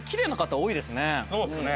そうですね。